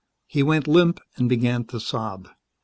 He went limp and began to sob.